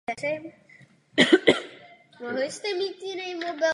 Poté může dojít k přenosu do krevního oběhu dalšího hostitele opět pomocí bodnutí.